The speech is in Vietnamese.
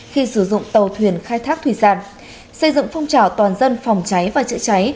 khi sử dụng tàu thuyền khai thác thủy sản xây dựng phong trào toàn dân phòng cháy và chữa cháy